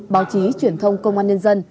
báo chí truyền thông công an nhân dân